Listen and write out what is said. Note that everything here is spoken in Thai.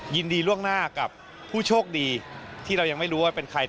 ยินดีล่วงหน้ากับผู้โชคดีที่เรายังไม่รู้ว่าเป็นใคร